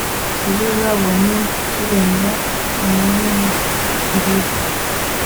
sizo zabonye zirenga umwinjiro